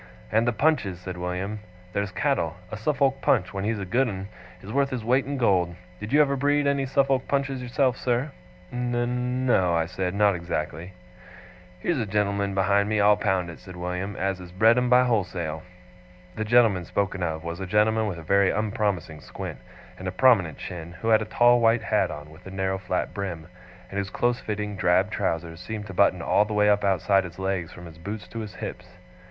'And the Punches,' said William. 'There's cattle! A Suffolk Punch, when he's a good un, is worth his weight in gold. Did you ever breed any Suffolk Punches yourself, sir?' 'N no,' I said, 'not exactly.' 'Here's a gen'lm'n behind me, I'll pound it,' said William, 'as has bred 'em by wholesale.' The gentleman spoken of was a gentleman with a very unpromising squint, and a prominent chin, who had a tall white hat on with a narrow flat brim, and whose close fitting drab trousers seemed to button all the way up outside his legs from his boots to his hips.